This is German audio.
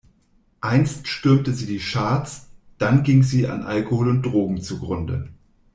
Einst stürmte sie die Charts, dann ging sie an Alkohol und Drogen zugrunde.